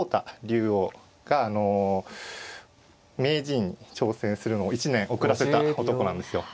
竜王があの名人に挑戦するのを１年遅らせた男なんですよ。